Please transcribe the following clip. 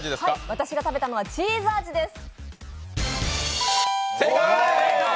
私が食べたのはチーズ味です！